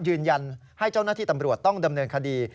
ยืนยันให้เจ้าหน้าที่ตำรวจต้องดำเนินคดี